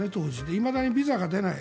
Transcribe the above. いまだにビザが出ない。